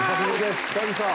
久々。